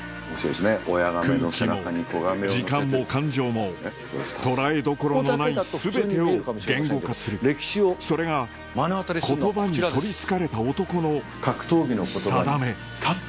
空気も時間も感情も捉えどころのない全てを言語化するそれが言葉に取りつかれた男のさだめ